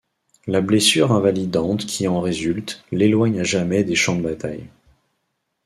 La blessure invalidante qui en résulte, l'éloigne à jamais des champs de bataille.